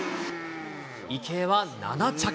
池江は７着。